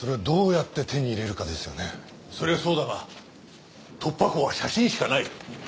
それはそうだが突破口は写真しかない。